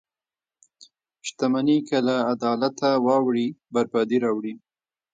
• شتمني که له عدالته واوړي، بربادي راوړي.